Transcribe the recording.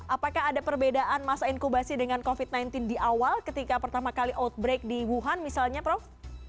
apakah ada perbedaan masa inkubasi dengan covid sembilan belas di awal ketika pertama kali outbreak di wuhan misalnya prof